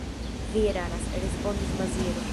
Vi eraras, respondis Maziero.